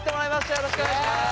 よろしくお願いします！